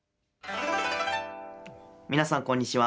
皆さん、こんにちは。